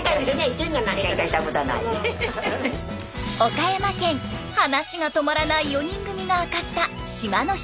岡山県話が止まらない４人組が明かした島の秘密。